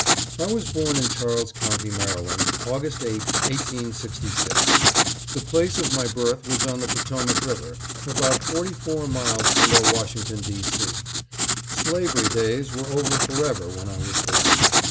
I was born in Charles County, Maryland, August 8, 1866. The place of my birth was on the Potomac River, about forty four miles below Washington, D. C. Slavery days were over forever when I was born.